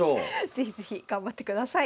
是非是非頑張ってください。